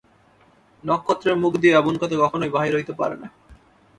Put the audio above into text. নক্ষত্রের মুখ দিয়া এমন কথা কখনোই বাহির হইতে পারে না।